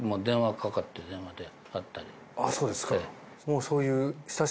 そうですかもう。